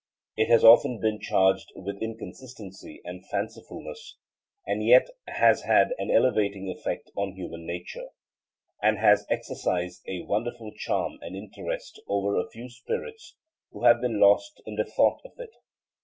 It has often been charged with inconsistency and fancifulness, and yet has had an elevating effect on human nature, and has exercised a wonderful charm and interest over a few spirits who have been lost in the thought of it.